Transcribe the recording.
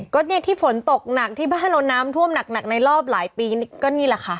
ก็เนี่ยที่ฝนตกหนักที่บ้านเราน้ำท่วมหนักในรอบหลายปีนี่ก็นี่แหละค่ะ